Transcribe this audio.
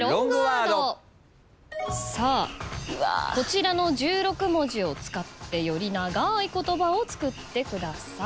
こちらの１６文字を使ってより長い言葉を作ってください。